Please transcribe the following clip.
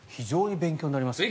勉強になりますね。